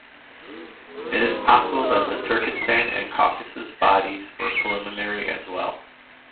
It is possible that the Turkistan and Caucasus bodies were preliminary as well.